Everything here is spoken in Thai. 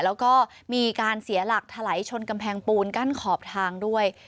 แล้วก็มีการเสียหลักถลายชนกำแพงปูนกั้นขอบทางด้วย